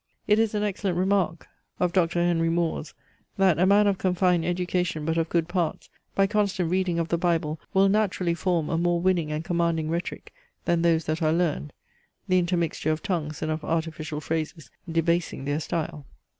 It is an excellent remark of Dr. Henry More's, that "a man of confined education, but of good parts, by constant reading of the Bible will naturally form a more winning and commanding rhetoric than those that are learned: the intermixture of tongues and of artificial phrases debasing their style."